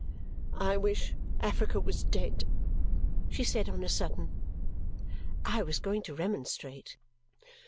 "I wish Africa was dead!" she said on a sudden. I was going to remonstrate.